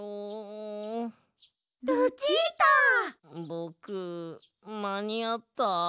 ぼくまにあった？